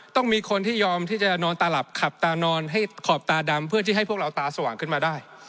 ต้องมีคนที่ยอมที่จะนอนตาหลับขับตานอนให้ขอบตาดำเพื่อที่ให้พวกเราตาสว่างขึ้นมาได้